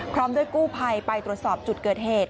พร้อมด้วยกู้ภัยไปตรวจสอบจุดเกิดเหตุ